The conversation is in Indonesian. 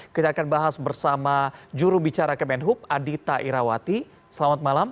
kita akan bahas bersama juru bicara kemenhub adita irawati selamat malam